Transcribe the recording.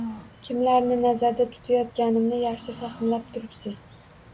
Kimlarni nazarda tutayotganimni yaxshi fahmlab turibsiz